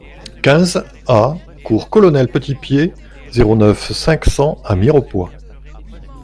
quinze A cours Colonel Petitpied, zéro neuf, cinq cents à Mirepoix